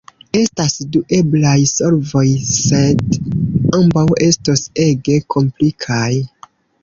Estas du eblaj solvoj, sed ambaŭ estos ege komplikaj.